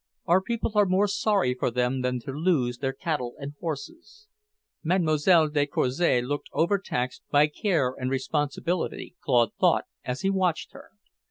Our people are more sorry for them than to lose their cattle and horses." Mlle. de Courcy looked over taxed by care and responsibility, Claude thought, as he watched her.